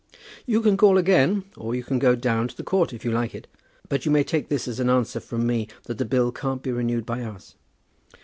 "You can call again, or you can go down to the court if you like it. But you may take this as an answer from me that the bill can't be renewed by us."